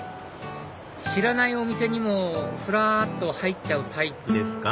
知らないお店にもふらっと入っちゃうタイプですか？